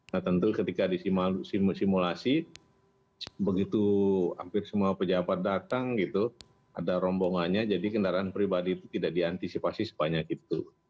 nah tentu ketika disimulasi begitu hampir semua pejabat datang gitu ada rombongannya jadi kendaraan pribadi itu tidak diantisipasi sebanyak itu